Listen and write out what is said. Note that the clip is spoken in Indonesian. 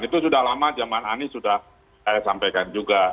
itu sudah lama zaman anies sudah saya sampaikan juga